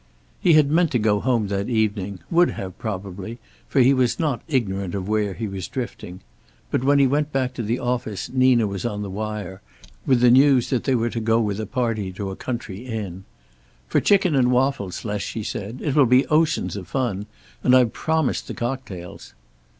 He had meant to go home that evening, would have, probably, for he was not ignorant of where he was drifting. But when he went back to the office Nina was on the wire, with the news that they were to go with a party to a country inn. "For chicken and waffles, Les," she said. "It will be oceans of fun. And I've promised the cocktails."